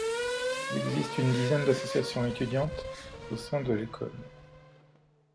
Il existe une dizaine d’associations étudiantes au sein de l’école.